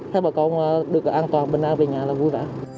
thấy bà con được an toàn bên nào về nhà là vui vẻ